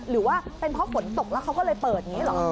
หรือว่าเป็นเพราะฝนตกแล้วเขาก็เลยเปิดอย่างนี้เหรอ